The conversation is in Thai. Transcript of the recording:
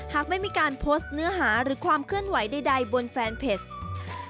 หากไม่มีการโพสต์เนื้อหาหรือความเคลื่อนไหวใดบนแฟนเพจ